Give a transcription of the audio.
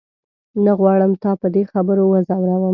نه غواړم تا په دې خبرو وځوروم.